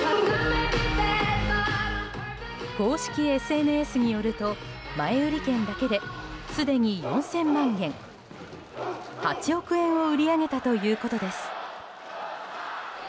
公式ＳＮＳによると前売り券だけですでに４０００万元、８億円を売り上げたということです。